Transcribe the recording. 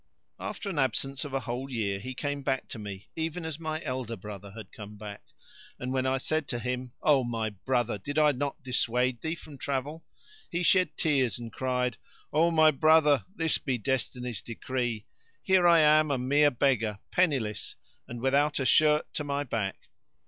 After an absence of a whole year he came back to me, even as my elder brother had come back; and when I said to him, "O my brother, did I not dissuade thee from travel?" he shed tears and cried, "O my brother, this be destiny's decree: here I am a mere beggar, penniless[FN#55] and without a shirt to my back."